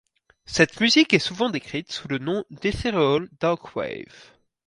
Cette musique est souvent décrite sous le nom d'ethereal dark wave.